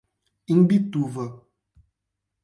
Imbituva